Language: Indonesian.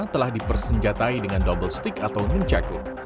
telah dipersenjatai dengan double stick atau mencakup